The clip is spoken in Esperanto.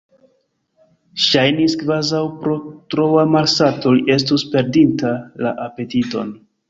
Ŝajnis, kvazaŭ pro troa malsato li estus perdinta la apetiton.